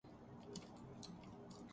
اسے حکومتی موقف سمجھنا چاہیے۔